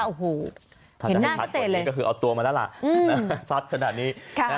โอ้โหถ้าจะไม่ชัดกว่านี้ก็คือเอาตัวมาแล้วล่ะซัดขนาดนี้